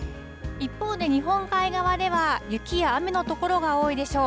一方で日本海側では、雪や雨の所が多いでしょう。